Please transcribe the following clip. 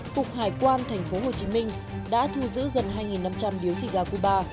cục hải quan thành phố hồ chí minh đã thu giữ gần hai năm trăm linh điếu xì gà cuba